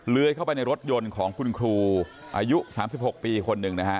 เข้าไปในรถยนต์ของคุณครูอายุ๓๖ปีคนหนึ่งนะฮะ